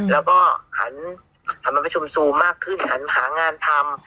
แล้วก็หันมาประชุมซูมมากขึ้นหันหางานทำ